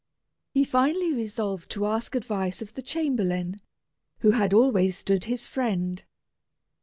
He finally resolved to ask advice of the chamberlain, who had always stood his friend.